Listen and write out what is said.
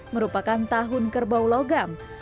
merupakan tahun kerbau logam